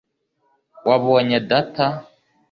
wabonye data